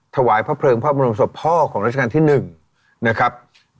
ถวายพระเพลิงพระบรมศพพ่อของราชการที่๑นะครับ